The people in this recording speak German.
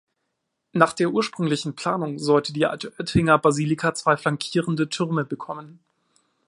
Nach der ursprünglichen Planung sollte die Altöttinger Basilika zwei flankierende Türme bekommen.